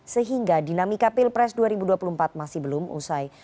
sehingga dinamika pilpres dua ribu dua puluh empat masih belum usai